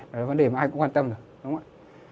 đó là vấn đề mà ai cũng quan tâm rồi